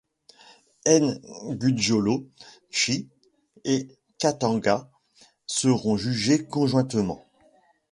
Ngudjolo Chui et Katanga seront jugés conjointement.